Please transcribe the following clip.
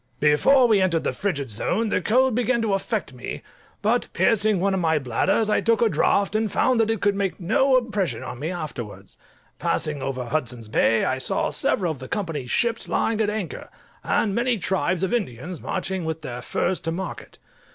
Before we entered the frigid zone the cold began to affect me; but piercing one of my bladders, I took a draught, and found that it could make no impression on me afterwards. Passing over Hudson's Bay, I saw several of the Company's ships lying at anchor, and many tribes of Indians marching with their furs to market.